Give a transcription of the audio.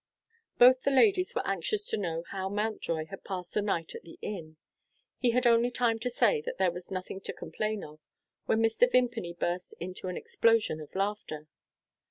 Both the ladies were anxious to know how Mountjoy had passed the night at the inn. He had only time to say that there was nothing to complain of, when Mr. Vimpany burst into an explosion of laughter.